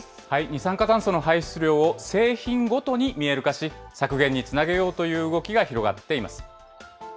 二酸化炭素の排出量を製品ごとに見える化し、削減につなげようという動きが広がっています。